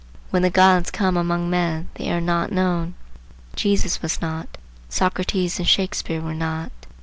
When the gods come among men, they are not known. Jesus was not; Socrates and Shakspeare were not.